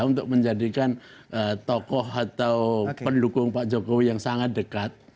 untuk menjadikan tokoh atau pendukung pak jokowi yang sangat dekat